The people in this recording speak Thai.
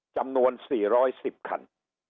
จำนวน๔๑๐คัน